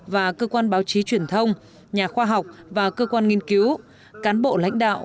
và cơ quan báo chí truyền thông nhà khoa học và cơ quan nghiên cứu cán bộ lãnh đạo